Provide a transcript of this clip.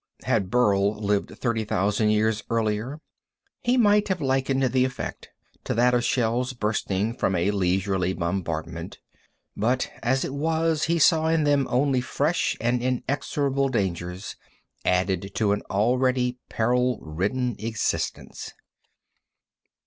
Had Burl lived thirty thousand years earlier, he might have likened the effect to that of shells bursting from a leisurely bombardment, but as it was he saw in them only fresh and inexorable dangers added to an already peril ridden existence.